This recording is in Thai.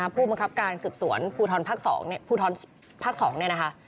ผู้บังคับการศึกษวนภูทรภักดิ์๒